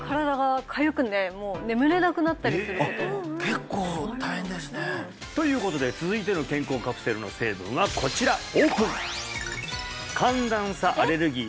結構大変ですねということで続いての健康カプセルの成分はこちらオープン！